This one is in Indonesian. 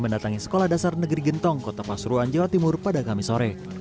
mendatangi sekolah dasar negeri gentong kota pasuruan jawa timur pada kamis sore